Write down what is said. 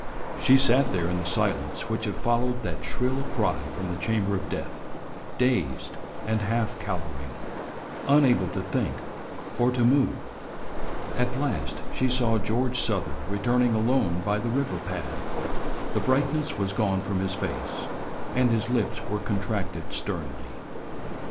She sat there in the silence which had followed that shrill cry from the chamber of death, dazed and half cowering, unable to think or to move. At last she saw George Souther returning alone by the river path. The brightness was gone from his face, and his lips were contracted sternly.